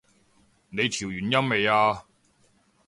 你調完音未啊？